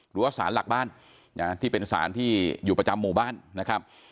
หรือว่าสารหลักบ้านที่เป็นสารที่อยู่ประจำหมู่บ้านนะครับ